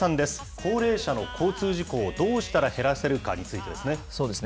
高齢者の交通事故をどうしたら減らせるかについてですね。